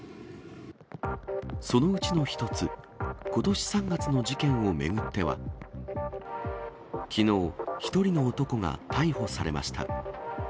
そのうちの１つ、ことし３月の事件を巡っては、きのう、１人の男が逮捕されました。